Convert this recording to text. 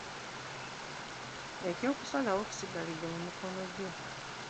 Eky'okusalawo kisigalidde mu mikono gyo.